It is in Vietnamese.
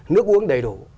nước uống đầy đủ